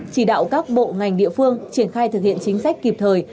chỉ đạo các bộ ngành địa phương triển khai thực hiện chính sách kịp thời